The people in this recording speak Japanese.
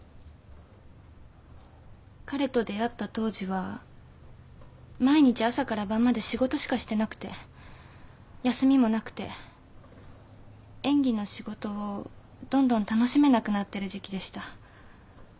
彼と出会った当時は毎日朝から晩まで仕事しかしてなくて休みもなくて演技の仕事をどんどん楽しめなくなってる時期でした。